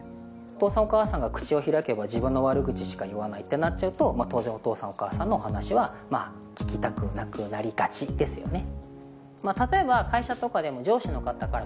お父さんお母さんが口を開けば自分の悪口しか言わないってなっちゃうと当然お父さんお母さんの話は聞きたくなくなりがちですよね